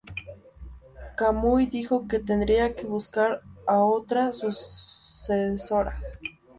Kamui dijo que tendría que buscar a otra sucesora.